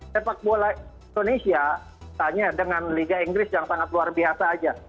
sepak bola indonesia tanya dengan liga inggris yang sangat luar biasa aja